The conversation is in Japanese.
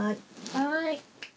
はい。